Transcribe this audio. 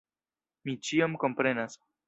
Mi ĉion komprenas!